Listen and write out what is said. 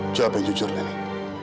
jawab yang jujur nenek